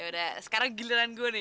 udah sekarang giliran gue nih